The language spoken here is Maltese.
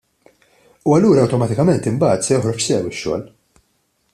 U allura awtomatikament imbagħad se joħroġ sew ix-xogħol.